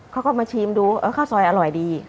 เขาก็มาชิมดูข้าวซอยอร่อยดี